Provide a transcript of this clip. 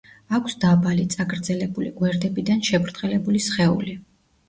აქვს დაბალი, წაგრძელებული, გვერდებიდან შებრტყელებული სხეული.